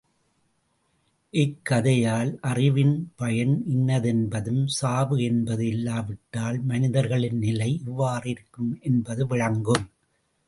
இக் கதையால் அறிவின் பயன் இன்னதென்பதும், சாவு என்பது இல்லாவிட்டால் மனிதர்களின் நிலை இவ்வாறிருக்கும் என்பதும் விளங்கும்.